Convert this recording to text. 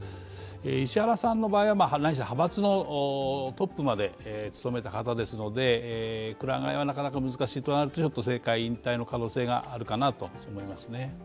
石原さんの場合は、派閥のトップまで務めた方ですのでくら替えはなかなか難しいとなると、政界引退の可能性があるかなと思いますね。